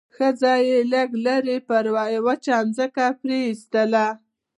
ښځه يې لږ لرې پر وچه ځمکه پرېيستله.